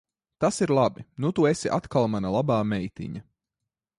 Tas ir labi. Nu tu esi atkal mana labā meitiņa.